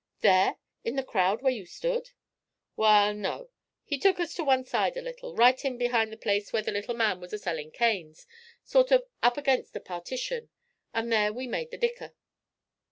'There in the crowd where you stood?' 'Wal, no. He took us to one side a little right in behind the place where the little man was a sellin' canes sort of up ag'inst a partition, and there we made the dicker.'